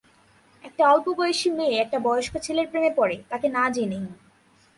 একটা অল্পবয়সী মেয়ে একটা বয়স্ক ছেলের প্রেমে পড়ে, তাকে না জেনেই।